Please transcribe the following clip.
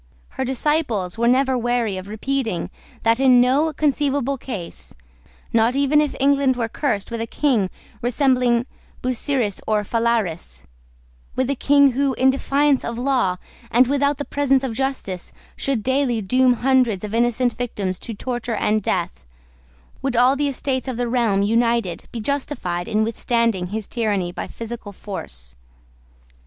Her disciples were never weary of repeating that in no conceivable case, not even if England were cursed with a King resembling Busiris or Phalaris, with a King who, in defiance of law, and without the presence of justice, should daily doom hundreds of innocent victims to torture and death, would all the Estates of the realm united be justified in withstanding his tyranny by physical force.